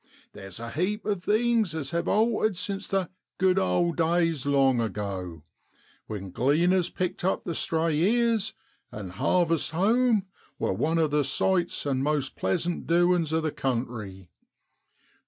Theer's a heap of things as have altered since 'the good old days long ago,' when gleaners picked up the stray ears, and harvest hoam wor one o' the sights an' most pleasant doin's o' the country.